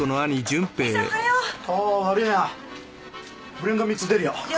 ブレンド３つ出るよ。